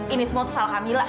ini semua tuh salah kamila